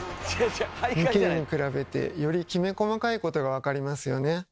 ２Ｋに比べてよりきめ細かいことが分かりますよね。